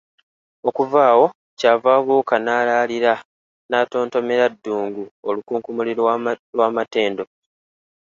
Okuva awo ky’ava abuuka n’alaliira, n’atontomera Ddungu olukunkumuli lw’amatendo!